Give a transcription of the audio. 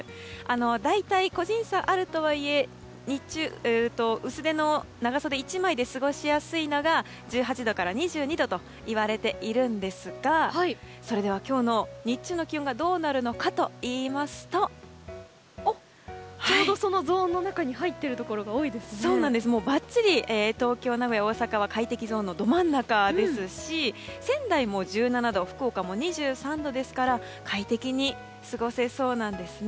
大体、個人差があるとはいえ日中、薄手の長袖１枚で過ごしやすいのが１８度から２２度といわれているんですがそれでは今日の日中の気温がどうなるかといいますとちょうどそのゾーンの中に入っているところがばっちり東京、名古屋、大阪は快適ゾーンのど真ん中ですし仙台も１７度福岡も２３度ですから快適に過ごせそうなんですね。